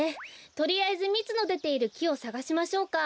とりあえずみつのでているきをさがしましょうか。